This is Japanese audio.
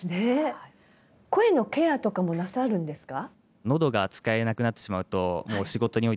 声のケアとかもなさるんですか？